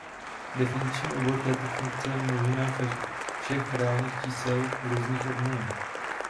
Definiční obor této funkce je množina všech reálných čísel různých od nuly.